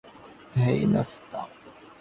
হেই, নাশতা।